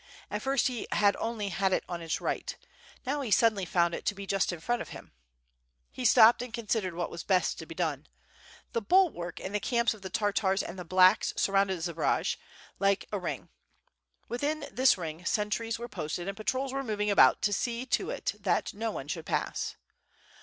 At first he had only had it on his right, now he suddenly found it just in front of him. He stopped and considered what was best to be done. The bulwark and the camps of the Tartars and the "blacks" sur rounded Zbaraj, like a ring, within this ring sentries were posted and patrols were moving about to see that no one should pass.